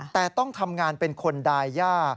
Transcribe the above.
แต่ต้องทำงานเป็นคนดายย่า